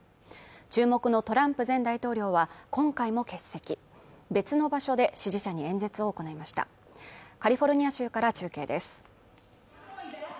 注目のトランプ前大統領は今回も欠席別の場所で支持者に演説を行いましたカリフォルニア州から中継です